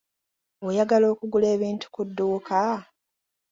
Oyagala okugula ebintu ku dduuka?